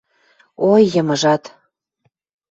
Ой, йымыжат!..